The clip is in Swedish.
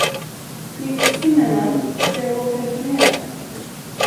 Miss Zimmermann, ska jag gå och telefonera?